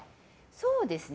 そうですね。